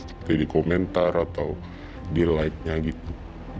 seperti di komentar atau di like nya gitu